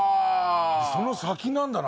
その先なんだな